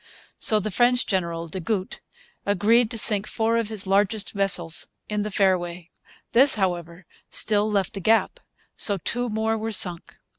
So the French admiral, des Gouttes, agreed to sink four of his largest vessels in the fairway. This, however, still left a gap; so two more were sunk.